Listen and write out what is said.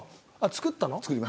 作ったの。